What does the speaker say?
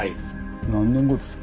何年後ですか？